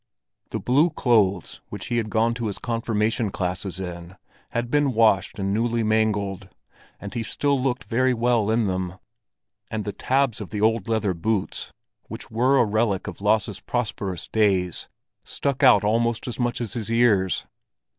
The blue clothes which he had gone to his confirmation classes in, had been washed and newly mangled, and he still looked very well in them; and the tabs of the old leather boots, which were a relic of Lasse's prosperous days, stuck out almost as much as his ears.